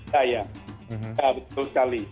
ya ya betul sekali